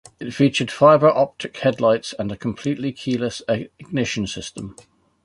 It featured fiber optic headlights and a completely keyless ignition system.